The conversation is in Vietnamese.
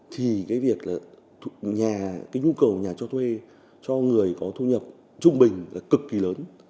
thì việc nhu cầu nhà cho thuê cho người có thu nhập trung bình là cực kỳ lớn